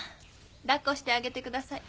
抱っこしてあげてください。